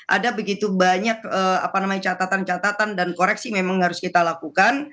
ada begitu banyak catatan catatan dan koreksi memang harus kita lakukan